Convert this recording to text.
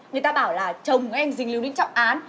người ta bảo là chồng anh dình lưu đến trọng án